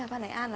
phan lãi an